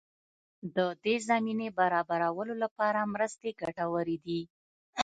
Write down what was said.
د دې زمینې برابرولو لپاره مرستې ګټورې دي.